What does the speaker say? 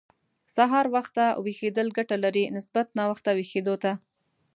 سهار وخته ويښېدل ګټه لري، نسبت ناوخته ويښېدو ته.